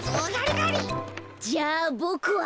じゃあボクは。